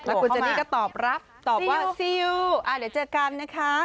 คุณเจนี่ก็ตอบรับตอบว่าซิลเดี๋ยวเจอกันนะคะ